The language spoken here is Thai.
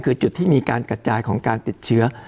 คือจุดที่มีการกระจายของการติดเชื้อ